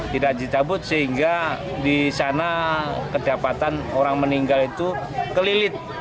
tidak dicabut sehingga di sana kedapatan orang meninggal itu kelilit